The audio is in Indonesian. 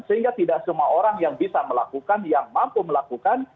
sehingga tidak semua orang yang bisa melakukan yang mampu melakukan